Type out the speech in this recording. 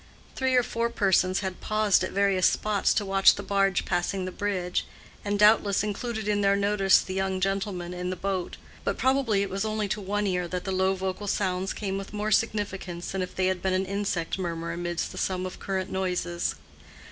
Three or four persons had paused at various spots to watch the barge passing the bridge, and doubtless included in their notice the young gentleman in the boat; but probably it was only to one ear that the low vocal sounds came with more significance than if they had been an insect murmur amidst the sum of current noises.